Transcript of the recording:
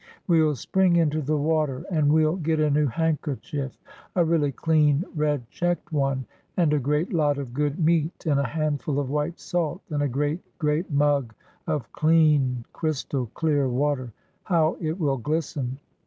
We'll spring into the water, and we '11 get a new handkerchief, a really clean, red checked one, and a great lot of good meat and a handful of white salt, and a great, great mug of clean, crystal clear water — how it will glisten!